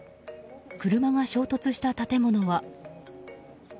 車が衝突した建物は。